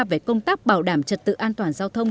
về công tác bảo đảm trật tự an toàn giao thông